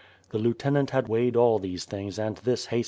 The lieutenant had weighed all these things and this haj?